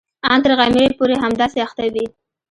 ان تر غرمې پورې همداسې اخته وي.